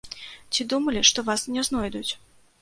Ці думалі, што вас не знойдуць?